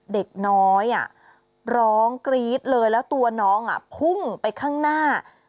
เด็กน้อยร้องกรี๊ดเลยแล้วตัวน้องพุ่งไปข้างหน้า